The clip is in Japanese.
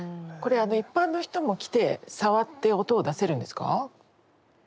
これ一般の人も来て触って音を出せるんですか？